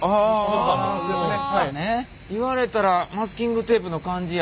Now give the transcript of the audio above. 言われたらマスキングテープの感じや。